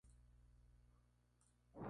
Se detuvo en Guacara cerca de Valencia.